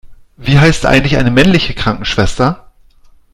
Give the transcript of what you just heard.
Wie heißt eigentlich eine männliche Krankenschwester?